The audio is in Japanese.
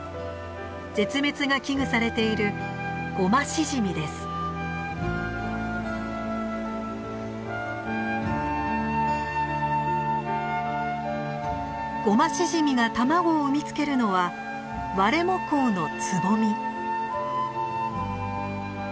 絶滅が危惧されているゴマシジミが卵を産み付けるのはワレモコウのつぼみ。